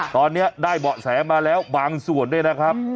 ตอนนี้ได้เบาะแสมาแล้วบางส่วนด้วยนะครับ